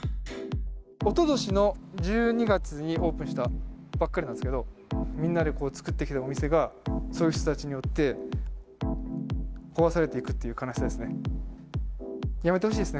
おととしの１２月にオープンしたばっかりなんですけど、みんなで作ってきたお店が、そういう人たちによって、壊されていくっていう悲しさですね。